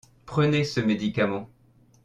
Prenez ce médicament.